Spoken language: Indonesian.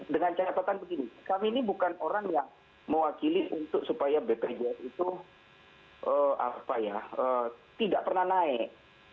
dengan catatan begini kami ini bukan orang yang mewakili untuk supaya bpjs itu tidak pernah naik